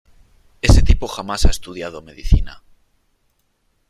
Ese tipo jamás ha estudiado medicina .